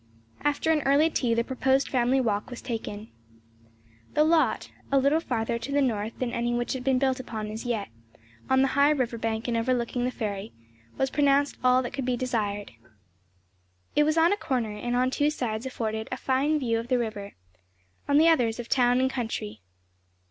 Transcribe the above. After an early tea the proposed family walk was taken. The lot a little farther to the north than any which had been built upon as yet, on the high river bank and overlooking the ferry was pronounced all that could be desired. It was on a corner, and on two sides afforded a fine view of the river, on the others of town and country.